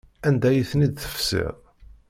Anda ay ten-id-tefsiḍ?